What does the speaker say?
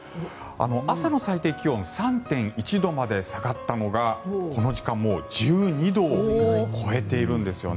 朝の最低気温３．１度まで下がったのがこの時間、もう１２度を超えているんですよね。